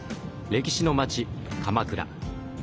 歴史の街鎌倉。